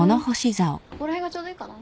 ここら辺がちょうどいいかな。